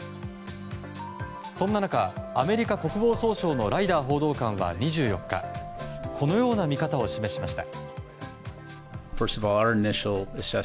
そんな中、アメリカ国防総省のライダー報道官は２４日このような見方を示しました。